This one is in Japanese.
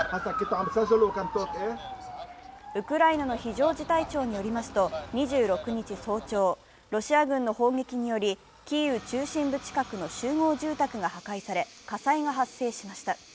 ウクライナの非常事態庁によりますと、２６日早朝、ロシア軍の砲撃により、キーウ中心部近くの集合住宅が破壊され、火災が発生しました。